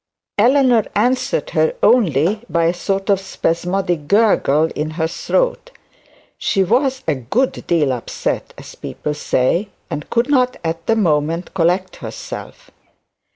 Eleanor answered her only by a sort of spasmodic gurgle in her throat. She was a good deal upset, as people say, and could not at the moment collect herself.